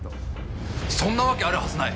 そんなわけあるはずない